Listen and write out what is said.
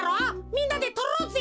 みんなでとろうぜ。